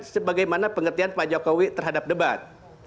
sebagaimana pengertian pak jokowi terhadap debat